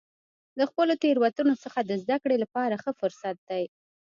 د خپلو تیروتنو څخه د زده کړې لپاره ښه فرصت دی.